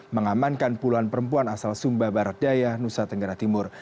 mengamankan puluhan perempuan asal sumba barat daya nusa tenggara timur